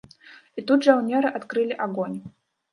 І тут жаўнеры адкрылі агонь.